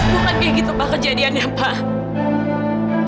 bukan begitu pak kejadiannya pak